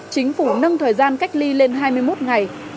chính phủ nâng thời gian cách ly lên hai mươi một ngày